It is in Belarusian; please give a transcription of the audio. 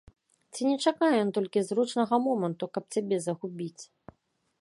Ці не чакае ён толькі зручнага моманту, каб цябе загубіць?